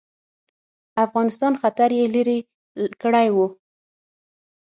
افغانستان خطر یې لیري کړی وو.